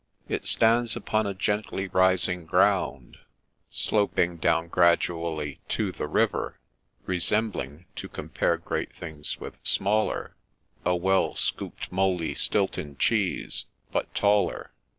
It stands upon a gently rising ground, Sloping down gradually to the river, Resembling (to compare great things with smaller) A well scooped, mouldy Stilton cheese, — but taller.